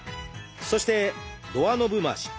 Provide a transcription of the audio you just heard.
そしてドアノブ回し。